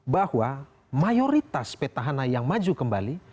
bahwa mayoritas petahana yang maju kembali